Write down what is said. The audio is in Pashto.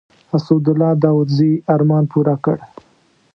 اسدالله داودزي ارمان پوره کړ.